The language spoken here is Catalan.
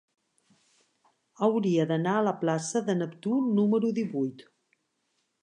Hauria d'anar a la plaça de Neptú número divuit.